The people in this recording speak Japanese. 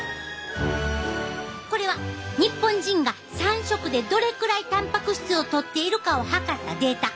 これは日本人が３食でどれくらいたんぱく質をとっているかを測ったデータ。